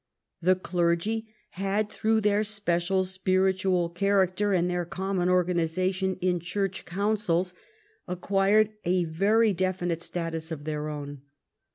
The clergy had, through their special spiritual character and their common organisation in Church councils, acquired a very definite status of their own.